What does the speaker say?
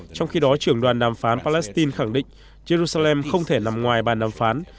trong khi đó trưởng đoàn đàm phán palestine khẳng định jerusalem không thể nằm ngoài bàn đàm phán